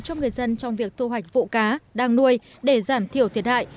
cho người dân trong việc thu hoạch vụ cá đang nuôi để giảm thiểu thiệt hại